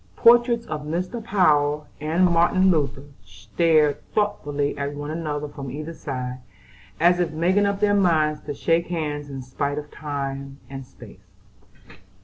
Portraits of Mr. Power and Martin Luther stared thoughtfully at one another from either side, as if making up their minds to shake hands in spite of time and space.